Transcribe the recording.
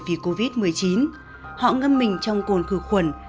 vì covid một mươi chín họ ngâm mình trong cồn khử khuẩn